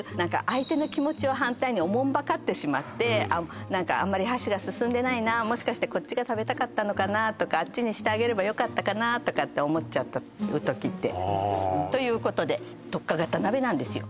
相手の気持ちを反対におもんばかってしまって何かあんまり箸が進んでないなもしかしてこっちが食べたかったのかなとかあっちにしてあげればよかったなとか思っちゃう時ってということで特化型鍋なんですよ